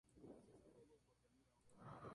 La banda sonora está compuesta por Lucas Vidal.